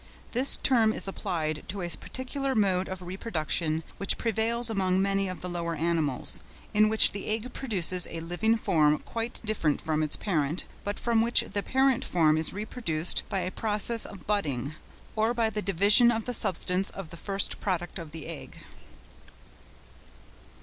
—This term is applied to a peculiar mode of reproduction which prevails among many of the lower animals, in which the egg produces a living form quite different from its parent, but from which the parent form is reproduced by a process of budding, or by the division of the substance of the first product of the egg.